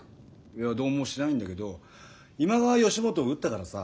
いやどうもしないんだけど今川義元を討ったからさ。